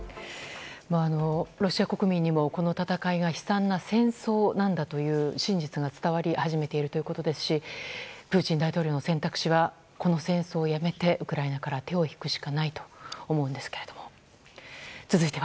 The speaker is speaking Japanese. ロシア国民にも、この戦いが悲惨な戦争なんだという真実が伝わり始めているということですしプーチン大統領の選択肢はこの戦争をやめてウクライナから手を引くしかないと思うんですけれども。